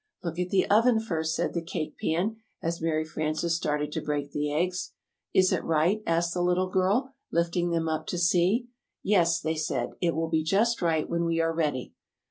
"Look at the oven first," said the Cake Pans, as Mary Frances started to break the eggs. "Is it right?" asked the little girl, lifting them up to see. "Yes," they said, "it will be just right when we are ready."